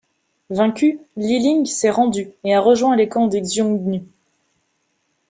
Vaincu, Li Ling s'est rendu et a rejoint les rangs des Xiongnu.